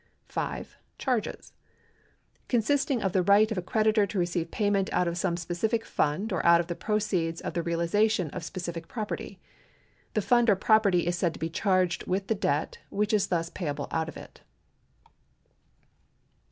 5. Charges — consisting in the right of a creditor to receive jiayment out of some specific fund or out of the proceeds of the realisation of specific property. The fund or property is said to be charged with the debt which is thus payable out of it.